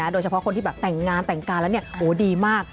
โดยเฉพาะคนที่แบบแต่งงานแต่งกายแล้วดีมาก